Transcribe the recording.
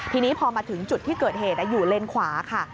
ทีนี้พอมาถึงจุดที่เกิดเหตุอยู่เลนขวาค่ะ